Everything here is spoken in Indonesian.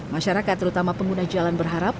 masyarakat terutama pengguna jalan berharap